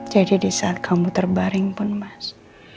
jadi disaat kamu terbaring pun mas